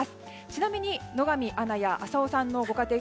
ちなみに、野上アナや浅尾さんのご家庭